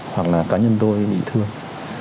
hoặc là cá nhân tôi bị thương